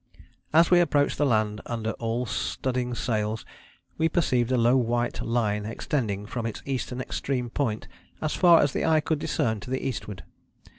"As we approached the land under all studding sails we perceived a low white line extending from its eastern extreme point as far as the eye could discern to the eastward.